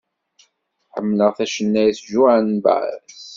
Ḥemleɣ tacennayt Joan Baez.